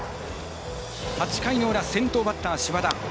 ８回の裏、先頭バッター島田。